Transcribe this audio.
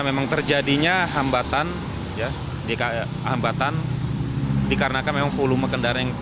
memang terjadinya hambatan ya dika hambatan dikarenakan memang volume kendaraan yang